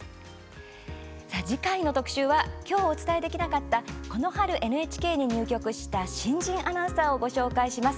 次回の特集は今日お伝えできなかったこの春、ＮＨＫに入局した新人アナウンサーをご紹介します。